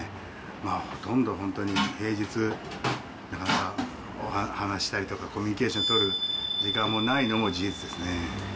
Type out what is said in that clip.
まあほとんど本当に平日、なかなか話したりとか、コミュニケーション取る時間もないのも事実ですね。